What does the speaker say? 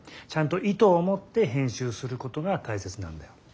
ちゃんと意図を持って編集することがたいせつなんだよ。